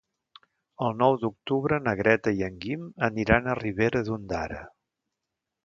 El nou d'octubre na Greta i en Guim aniran a Ribera d'Ondara.